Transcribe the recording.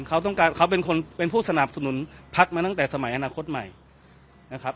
เขาต้องการเขาเป็นคนเป็นผู้สนับสนุนพักมาตั้งแต่สมัยอนาคตใหม่นะครับ